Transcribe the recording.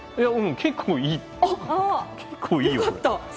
結構いいよ。